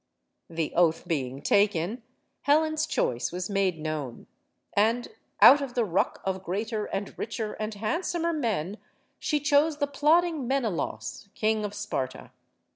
The oath being taken, Helen's choice was made known. And, out of the ruck of greater and richer and handsomer men, she chose the plodding Menelaus, King of Sparta.